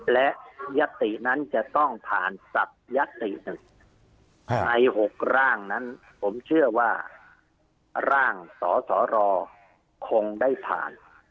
และยัตตินั้นจะต้องผ่านศัพทยัตติหนึ่งใน๖ร่างนั้นผมเชื่อว่าร่างสสรคงได้ผ่าน